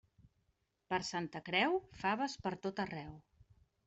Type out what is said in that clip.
Per Santa Creu, faves pertot arreu.